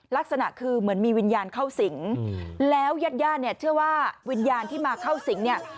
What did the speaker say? ลักษณะคือเหมือนมีวิญญาณเข้าสิงแล้วยาดเนี่ยเชื่อว่าวิญญาณที่มาเข้าสิงเนี่ย